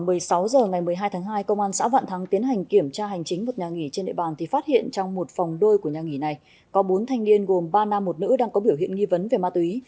vào một mươi sáu h ngày một mươi hai tháng hai công an xã vạn thắng tiến hành kiểm tra hành chính một nhà nghỉ trên địa bàn thì phát hiện trong một phòng đôi của nhà nghỉ này có bốn thanh niên gồm ba nam một nữ đang có biểu hiện nghi vấn về ma túy